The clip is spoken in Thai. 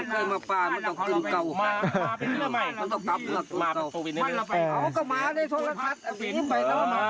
ไม่เคยมาซวงห์มามาไปก็กันก็มาไป